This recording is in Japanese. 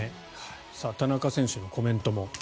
田中選手のコメントも。